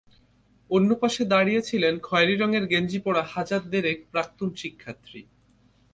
অন্য পাশে দাঁড়িয়ে ছিলেন খয়েরি রঙের গেঞ্জি পরা হাজার দেড়েক প্রাক্তন শিক্ষার্থী।